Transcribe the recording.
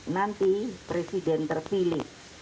nanti presiden terpilih